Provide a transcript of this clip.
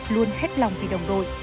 luôn hết lòng vì đồng đội